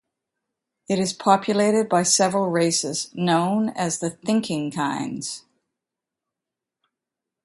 It is populated by several races, known as the "Thinking Kinds".